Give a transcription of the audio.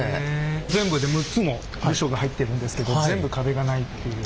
全部で６つの部署が入ってるんですけど全部壁がないっていう。